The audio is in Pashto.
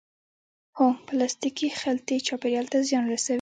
هو، پلاستیکی خلطی چاپیریال ته زیان رسوی